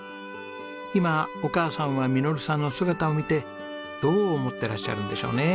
今お母さんは實さんの姿を見てどう思ってらっしゃるんでしょうね？